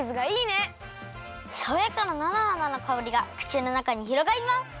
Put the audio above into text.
さわやかななのはなのかおりがくちのなかにひろがります！